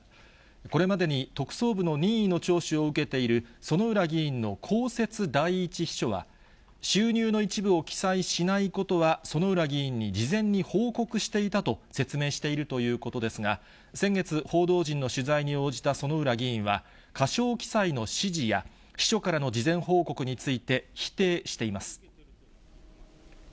これまでに特捜部の任意の聴取を受けている薗浦議員の公設第１秘書は、収入の一部を記載しないことは、薗浦議員に事前に報告していたと説明しているということですが、先月、報道陣の取材に応じた薗浦議員は、過少記載の指示や、秘書からの事前報告について、否定しています。